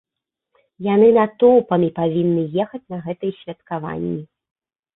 Яны натоўпамі павінны ехаць на гэтыя святкаванні.